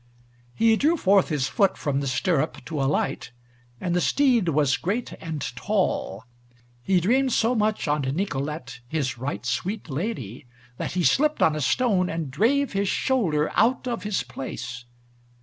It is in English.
He drew forth his foot from the stirrup to alight, and the steed was great and tall. He dreamed so much on Nicolete his right sweet lady, that he slipped on a stone, and drave his shoulder out of his place.